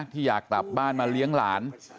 ที่อยากกลับบ้านมาเลี้ยงหลาน